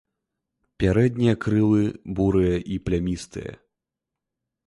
Пярэднія крылы бурыя і плямістыя.